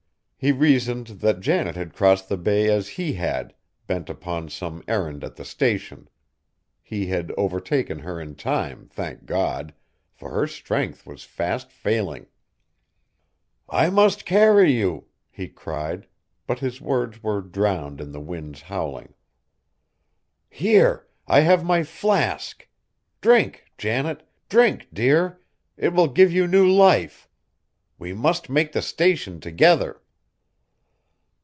He reasoned that Janet had crossed the bay as he had, bent upon some errand at the Station. He had overtaken her in time, thank God! for her strength was fast failing. "I must carry you!" he cried, but his words were drowned in the wind's howling. "Here, I have my flask. Drink, Janet! Drink, dear, it will give you new life. We must make the Station together."